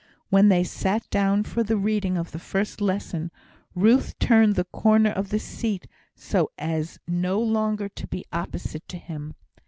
When they sat down for the reading of the first lesson, Ruth turned the corner of the seat so as no longer to be opposite to him.